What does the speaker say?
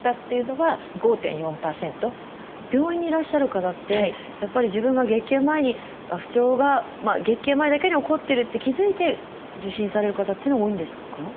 病院にいらっしゃる方ってやっぱり自分が月経前に不調が月経前だけに起こってるって気付いて受診される方っていうのが多いんですか？